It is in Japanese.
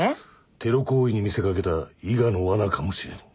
テロ行為に見せ掛けた伊賀のわなかもしれん。